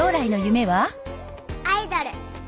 「アイドル」！